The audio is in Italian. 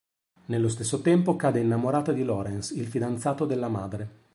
Nello stesso tempo, cade innamorata di Lawrence, il fidanzato della madre.